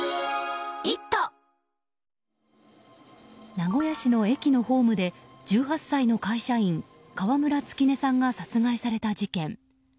名古屋市の駅のホームで１８歳の会社員、川村月音さんが殺害された事件。